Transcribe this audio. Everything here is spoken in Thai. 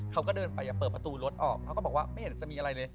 เขาก็เดินไปเปิดประตูรถออกเขาก็บอกว่าไม่เห็นจะมีอะไรเลย